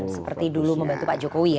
seperti dulu membantu pak jokowi ya